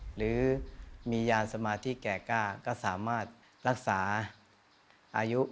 หรือมียานสมาธิแก่กล้าก็สามารถรักษาอายุ